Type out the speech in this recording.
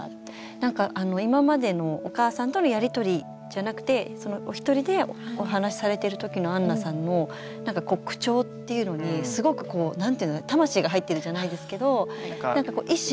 なんか今までのお母さんとのやり取りじゃなくてお一人でお話しされてる時のあんなさんの口調っていうのにすごくこう何ていうの魂が入ってるじゃないですけど意思を。